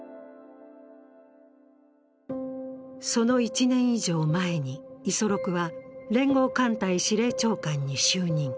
その１年以上前に五十六は連合艦隊司令長官に就任。